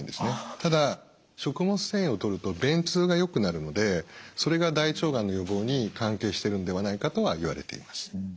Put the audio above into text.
ただ食物繊維をとると便通がよくなるのでそれが大腸がんの予防に関係してるんではないかとはいわれています。